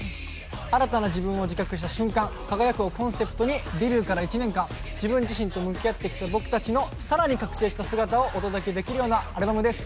「新たな自分を自覚した瞬間、輝く」をコンセプトに、デビューから１年間、自分自身と向き合ってきた僕たちのさらに覚醒した姿をお届けできるようなアルバムです。